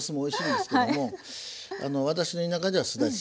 私の田舎ではすだち。